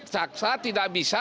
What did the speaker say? saksa tidak bisa